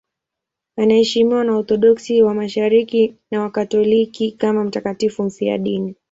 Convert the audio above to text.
Anaheshimiwa na Waorthodoksi wa Mashariki na Wakatoliki kama mtakatifu mfiadini.